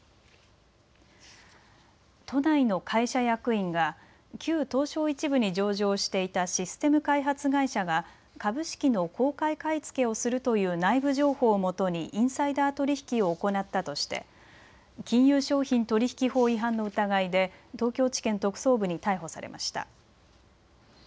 都内の会社役員が旧東証１部に上場していたシステム開発会社が株式の公開買い付けをするという内部情報をもとにインサイダー取引を行ったとして金融商品取引法違反の疑いで東京地検特捜部に逮捕されました。